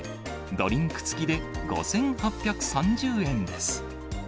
ドリンク付きで５８３０円です。